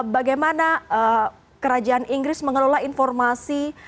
bagaimana kerajaan inggris mengelola informasi